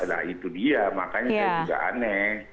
padahal itu dia makanya dia juga aneh